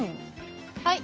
はい！